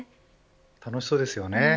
楽しそうですよね。